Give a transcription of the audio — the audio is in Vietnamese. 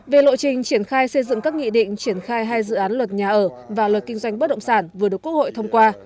về lộ trình triển khai xây dựng các nghị định triển khai hai dự án luật nhà ở và luật kinh doanh bất động sản vừa được quốc hội thông qua